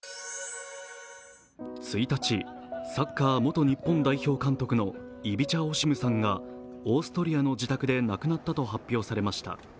１日、サッカー元日本代表監督のイビチャ・オシムさんがオーストリアの自宅で亡くなったと発表されました。